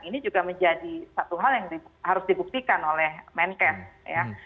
ini juga menjadi satu hal yang harus dibuktikan oleh menkes ya